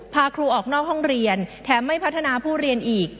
พาครูออกนอกห้องเรียนแถมไม่พัฒนาผู้เรียนอีก